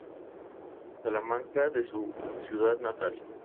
Salamanca de su ciudad natal.